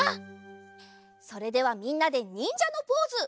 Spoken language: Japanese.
それではみんなでにんじゃのポーズ。